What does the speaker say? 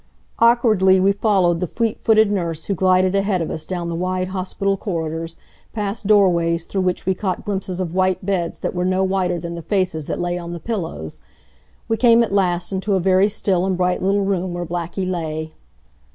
Awkwardly we followed the fleet footed nurse who glided ahead of us down the wide hospital corridors, past doorways through which we caught glimpses of white beds that were no whiter than the faces that lay on the pillows. We came at last into a very still and bright little room where Blackie lay.